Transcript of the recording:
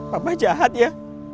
papa jahat ya